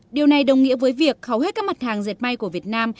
điều này đồng nghĩa với việc hầu hết các mặt hàng dệt may của việt nam